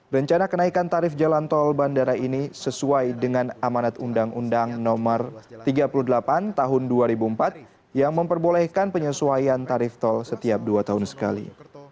rencana kenaikan tarif jalan tol bandara ini sesuai dengan amanat undang undang no tiga puluh delapan tahun dua ribu empat yang memperbolehkan penyesuaian tarif tol setiap dua tahun sekali